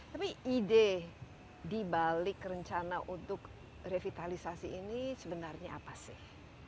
tapi ide dibalik rencana untuk revitalisasi ini sebenarnya apa sih